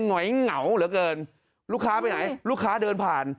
หอยเหงาเหลือเกินลูกค้าไปไหนลูกค้าเดินผ่าน